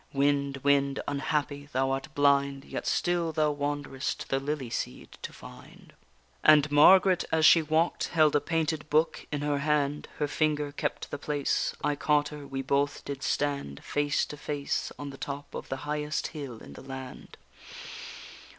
Wind, wind, unhappy! thou art blind, Yet still thou wanderest the lily seed to find._ And Margaret as she walk'd held a painted book in her hand; Her finger kept the place; I caught her, we both did stand Face to face, on the top of the highest hill in the land.